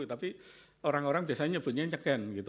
tapi orang orang biasanya nyebutnya nyeken gitu